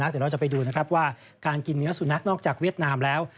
เดี๋ยวเราจะไปดูนะครับว่าการกินเนื้อสุนัขนอกจากเวียดนามแล้ว